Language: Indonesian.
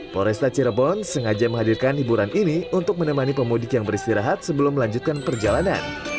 poresta cirebon sengaja menghadirkan hiburan ini untuk menemani pemudik yang beristirahat sebelum melanjutkan perjalanan